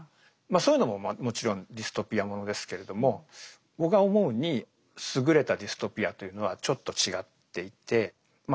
そういうのももちろんディストピアものですけれども僕が思うに優れたディストピアというのはちょっと違っていてまあ